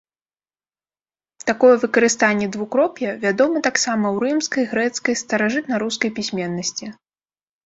Такое выкарыстанне двукроп'я вядома таксама ў рымскай, грэцкай, старажытнарускай пісьменнасці.